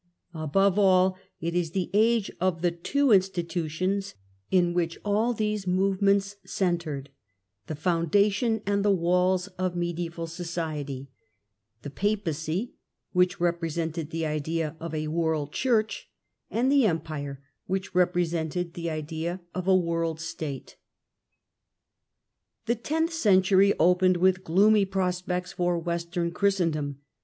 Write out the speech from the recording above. Above it is the age of the two institutions in which all these I 1 2 THE CENTRAL PERIOD OF THE MIDDLE AGE movements centred, the " foundation and the walls " of mediaeval society, the Papacy, which represented the idea of a World Church, and the Empire, which repre sented the idea of a World State. The tenth century opened with gloomy prospects for Western Christendom.